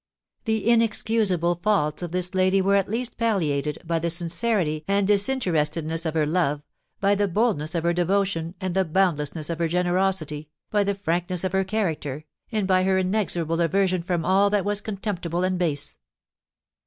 The inexcusable faults of this lady were at least palliated by the sincerity and disinterestedness of her love, by the boldness of her devotion and the boundlessness of her generosity, by the frankness of her character, and by her inexorable aversion from all that was contemptible and base.